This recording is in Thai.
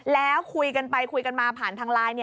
แล้วคุยกันไปคุยกันมาผ่านทางไลน์